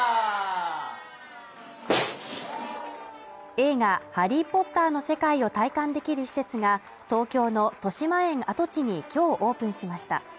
映画「ハリー・ポッター」の世界を体感できる施設が東京のとしまえん跡地に今日オープンしました。